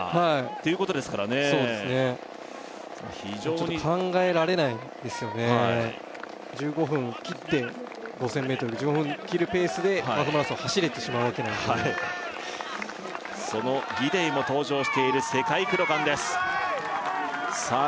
そうですねちょっと考えられないですよねはい１５分切って５０００ｍ１５分切るペースでハーフマラソン走れてしまうわけなんでそのギデイも登場している世界クロカンですさあ